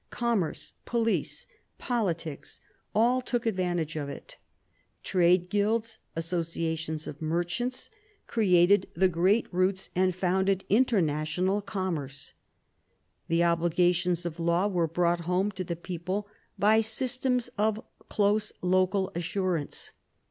Commerce, police, politics, all took advantage of it. Trade guilds, associations of merchants, created the great routes and 140 PHILIP AUGUSTUS chap. founded international commerce. The obligations of law were brought home to the people by systems of close local assurance.